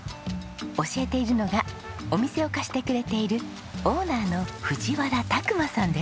教えているのがお店を貸してくれているオーナーの藤原磨さんです。